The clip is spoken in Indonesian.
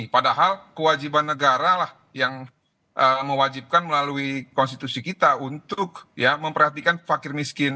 padahal kewajiban negara lah yang mewajibkan melalui konstitusi kita untuk memperhatikan fakir miskin